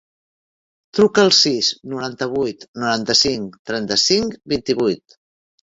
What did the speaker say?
Truca al sis, noranta-vuit, noranta-cinc, trenta-cinc, vint-i-vuit.